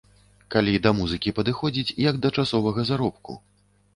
Калі да музыкі падыходзіць, як да часовага заробку.